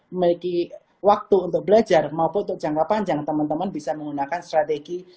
memiliki waktu untuk belajar maupun untuk jangka panjang teman teman bisa menggunakan strategi